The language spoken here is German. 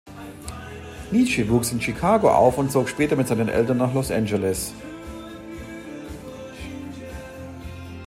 Nitzsche wuchs in Chicago auf und zog später mit seinen Eltern nach Los Angeles.